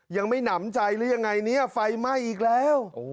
ยังไม่หนำใจหรือยังไงเนี่ยไฟไหม้อีกแล้ว